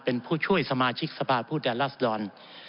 เป็นผู้ช่วยสมาชิกสภาพผู้แทนรัศดร